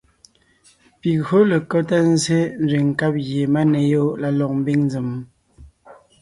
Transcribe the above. Pi gÿǒ lekɔ́ tá nzsé nzẅìŋ nkáb gie máneyoon la lɔg mbiŋ nzèm?